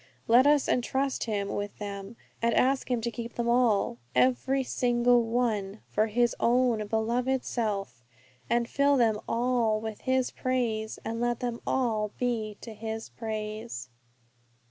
Let us entrust Him with them, and ask Him to keep them all, every single one, for His own beloved self, and fill them all with His praise, and let them all be to His praise!